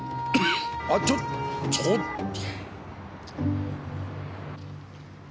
あっちょちょっと。